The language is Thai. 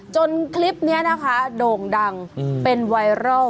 คลิปนี้นะคะโด่งดังเป็นไวรัล